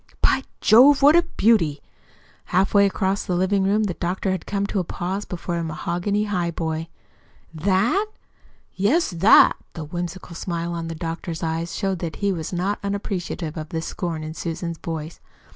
"By Jove, what a beauty!" Halfway across the living room the doctor had come to a pause before the mahogany highboy. "THAT?" "Yes, 'that'!" The whimsical smile in the doctor's eyes showed that he was not unappreciative of the scorn in Susan's voice.